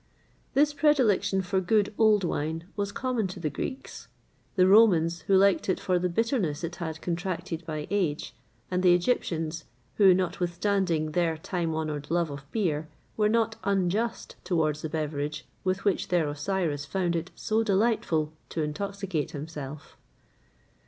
[XXVIII 105] This predilection for good old wine was common to the Greeks;[XXVIII 106] the Romans who liked it for the bitterness it had contracted by age;[XXVIII 107] and the Egyptians, who, notwithstanding their time honoured love of beer, were not unjust towards the beverage with which their Osiris found it so delightful to intoxicate himself.